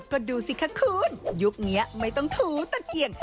ก็ดูสิคะคุณยุคนี้ไม่ต้องถูตะเกียง